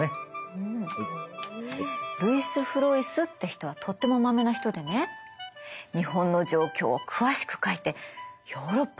ルイス・フロイスって人はとてもまめな人でね日本の状況を詳しく書いてヨーロッパに伝えてたの。